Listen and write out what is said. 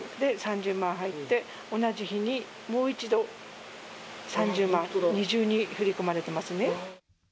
３０万入って、同じ日にもう一度、３０万、二重に振り込まれてますね。